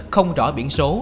không rõ biển số